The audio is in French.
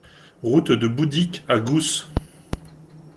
Route de Boudicq à Goos